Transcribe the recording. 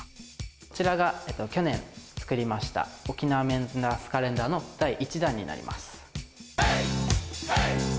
こちらが去年作りました、沖縄メンズナースカレンダーの第１弾になります。